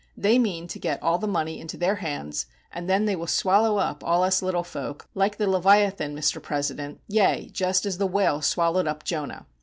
They mean to get all the money into their hands, and then they will swallow up all us little folk, like the Leviathan, Mr. President; yea, just as the whale swallowed up Jonah."